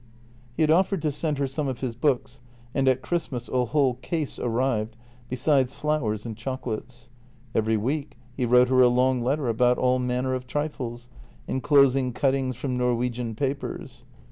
He had offered to send her some of his books, and at Christ mas a whole case arrived, besides flowers and chocolates. Every week he wrote her a long letter about all manner of trifles, en closing cuttings from Norwegian papers.